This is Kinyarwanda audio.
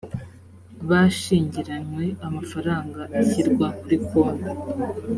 bashingiranywe amafaranga ashyirwa kuri konti